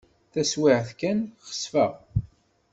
Taswiɛt kan, xesfeɣ.